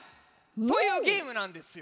というゲームなんですよ。